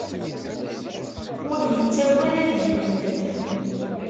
Ur yettagad ad yemmet.